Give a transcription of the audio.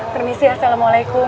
permisi ya assalamualaikum